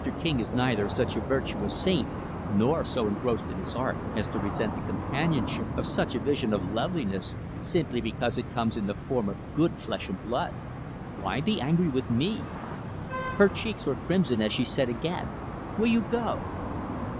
King is neither such a virtuous saint, nor so engrossed in his art, as to resent the companionship of such a vision of loveliness simply because it comes in the form of good flesh and blood. Why be angry with me?" Her cheeks were crimson as she said, again, "Will you go?"